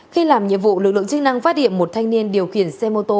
khi làm nhiệm vụ lực lượng chức năng phát hiện một thanh niên điều khiển xe mô tô